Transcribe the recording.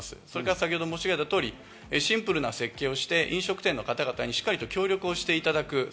それから先程申し上げた通りシンプルな設計をして飲食店の方々にしっかり協力していただく。